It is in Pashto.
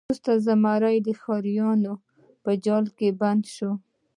وروسته زمری د ښکاریانو په جال کې بند شو.